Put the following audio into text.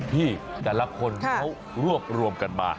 ที่แต่ละคนเขารวบรวมกันมา